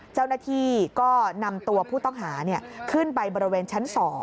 เจ้าหน้าที่ก็นำตัวผู้ต้องหาขึ้นไปบริเวณชั้น๒